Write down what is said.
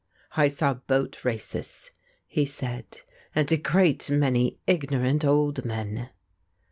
"I saw boat races," he said, "and a great many ignorant old men."